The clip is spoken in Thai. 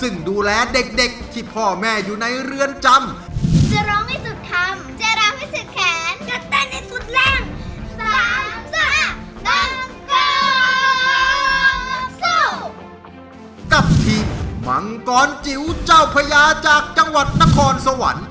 ในเกียกบ้านพระพร